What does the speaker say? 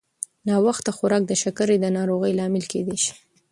ناوخته خوراک د شکرې د ناروغۍ لامل کېدای شي.